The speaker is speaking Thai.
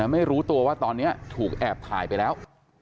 ไม่รู้ตัวว่าตอนนี้ถูกแอบถ่ายไปแล้ว